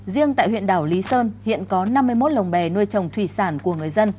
riêng tại huyện đảo lý sơn hiện có năm mươi một lồng bè nuôi trồng thủy sản của người dân